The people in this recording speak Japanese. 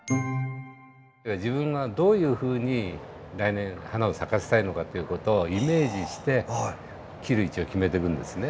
自分がどういうふうに来年花を咲かせたいのかっていう事をイメージして切る位置を決めていくんですね。